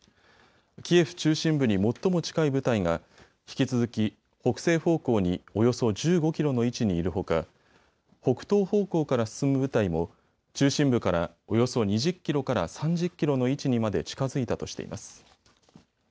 キエフ中心部に最も近い部隊が引き続き北西方向におよそ１５キロの位置にいるほか北東方向から進む部隊も中心部からおよそ２０キロから３０キロの位置にまで近づいたとしています。